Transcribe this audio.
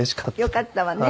よかったわね。